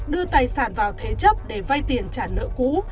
đưa tài sản vào thế chấp để vay tiền trả nợ cũ